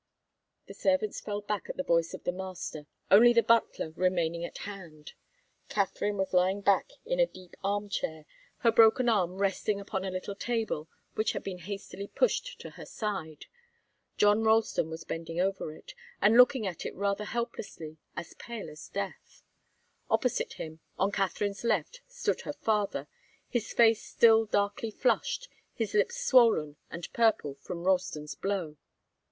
The servants fell back at the voice of the master, only the butler remaining at hand. Katharine was lying back in a deep arm chair, her broken arm resting upon a little table which had been hastily pushed to her side. John Ralston was bending over it, and looking at it rather helplessly, as pale as death. Opposite him, on Katharine's left, stood her father, his face still darkly flushed, his lips swollen and purple from Ralston's blow.